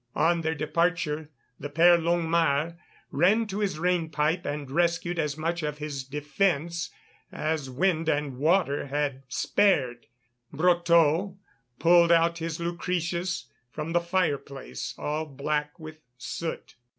On their departure, the Père Longuemare ran to his rain pipe and rescued as much of his defence as wind and water had spared. Brotteaux pulled out his Lucretius from the fireplace all black with soot.